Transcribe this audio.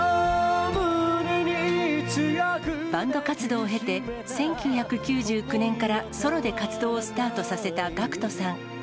バンド活動を経て、１９９９年からソロで活動をスタートさせたＧＡＣＫＴさん。